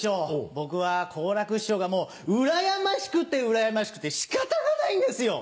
僕は好楽師匠がうらやましくてうらやましくて仕方がないんですよ。